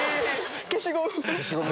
消しゴム。